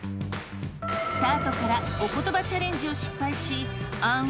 スタートからおことばチャレンジを失敗し暗雲